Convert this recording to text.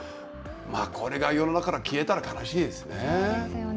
これが世の中から消えたら悲しいですよね。